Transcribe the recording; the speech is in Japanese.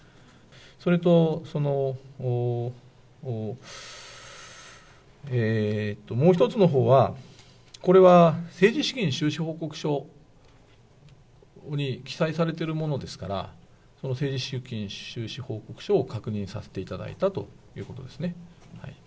それと、えーと、もう一つのほうは、これは政治資金収支報告書に記載されてるものですから、この政治資金収支報告書を確認させていただいたということですね。